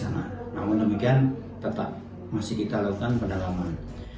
namun demikian tetap masih kita lakukan pada ramai